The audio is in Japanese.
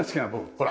ほら。